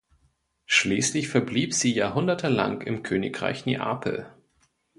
Schließlich verblieb sie jahrhundertelang im Königreich Neapel.